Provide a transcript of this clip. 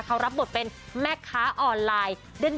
เขารับบทเป็นแม่ค้าออนไลน์